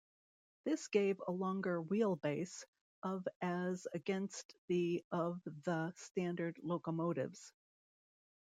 This gave a longer wheelbase of as against the of the standard locomotives.